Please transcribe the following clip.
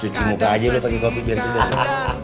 cuci muka aja lo pakai kopi biar sudah